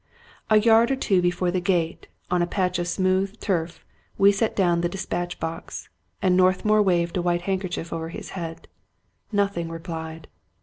A yard or two before the gate, on a patch of smooth turf, we set down the dispatch box; and Northmour waved a white handkerchief over his head. Nothing replied.